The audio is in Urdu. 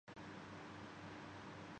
تمل